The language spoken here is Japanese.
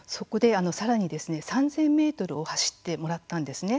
さらに３０００ｍを走ってもらったんですね。